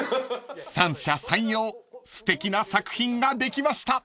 ［三者三様すてきな作品ができました］